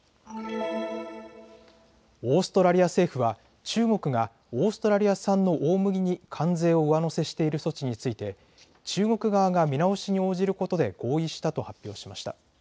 オーストラリア政府は中国がオーストラリア産の大麦に関税を上乗せしている措置について中国側が見直しに応じることで合意したと発表しました。